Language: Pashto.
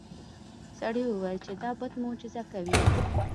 سړي وویل چې دا بت معجزه کوي.